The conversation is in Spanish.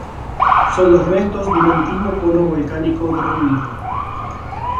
Son los restos de un antiguo cono volcánico derruido.